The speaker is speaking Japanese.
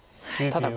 ただ